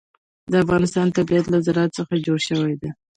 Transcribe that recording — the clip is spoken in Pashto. د افغانستان طبیعت له زراعت څخه جوړ شوی دی.